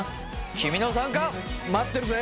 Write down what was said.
君の参加待ってるぜ！